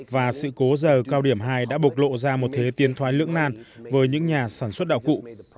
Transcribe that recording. và sự cố giờ cao điểm hai đã bộc lộ ra một thế tiến thoái lưỡng nan với những nhà sản xuất đạo cụ